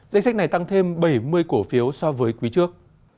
danh sách này tăng thêm bảy mươi cổ phiếu so với quý trước